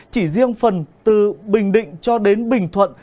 chỉ riêng phần từ bình định cho đến bình thuận